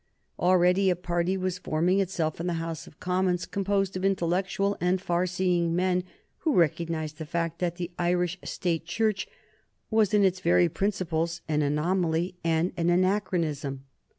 Already a party was forming itself in the House of Commons composed of intellectual and far seeing men who recognized the fact that the Irish State Church was in its very principles an anomaly and an anachronism.